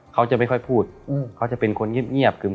เขาจะไม่ค่อยพูดเขาจะเป็นคนเงียบคือ